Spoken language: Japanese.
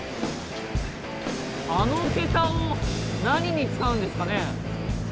あの桁を何に使うんですかね？